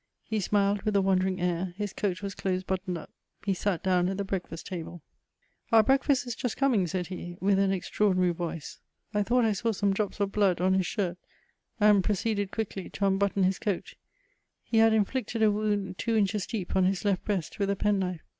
He smiled with a wandering air ; hb coat was dose but toned up ; he sat down at die breflScfiBut taUe. ^^ Our break&st L CHATEAUBRIAND. 379 is just coming," said he, with an extraordinary voice. I thought I saw some drops of hlood on his shirt, and proceeded quickly to unhutton his coat; he had inflicted a wound two inches deep on his lef% hreast, with a penknife.